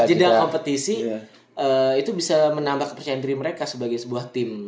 jeda kompetisi itu bisa menambah kepercayaan diri mereka sebagai sebuah tim